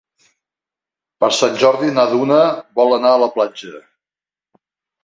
Per Sant Jordi na Duna vol anar a la platja.